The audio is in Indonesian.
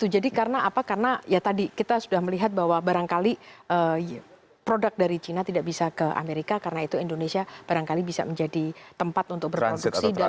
jadi karena apa karena ya tadi kita sudah melihat bahwa barangkali produk dari china tidak bisa ke amerika karena itu indonesia barangkali bisa menjadi tempat untuk berproduksi dan kemudian ke amerika